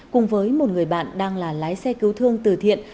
cùng với một người bạn đang là lái xe cứu thương từ thiện